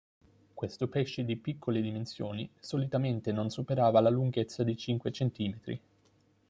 Questo pesce di piccole dimensioni solitamente non superava la lunghezza di cinque centimetri.